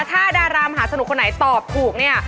ถ้าดารามหาสนุกคนไหนตอบถูกเนี่ย